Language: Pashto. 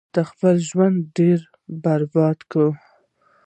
تا خپل ژوند ډیر برباد کړو